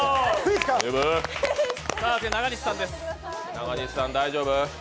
中西さん、大丈夫？